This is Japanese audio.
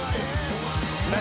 何？